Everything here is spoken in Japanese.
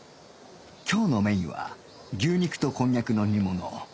今日のメインは牛肉とこんにゃくの煮物